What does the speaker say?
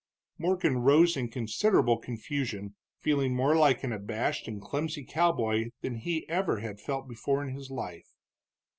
Morgan rose in considerable confusion, feeling more like an abashed and clumsy cowboy than he ever had felt before in his life.